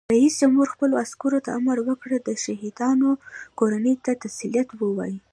رئیس جمهور خپلو عسکرو ته امر وکړ؛ د شهیدانو کورنیو ته تسلیت ووایئ!